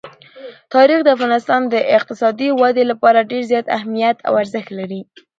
تاریخ د افغانستان د اقتصادي ودې لپاره ډېر زیات اهمیت او ارزښت لري.